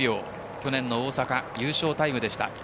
去年の大阪優勝タイムでした。